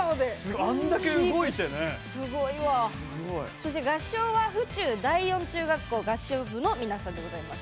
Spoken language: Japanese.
そして合唱は府中第四中学校合唱部の皆さんでございます。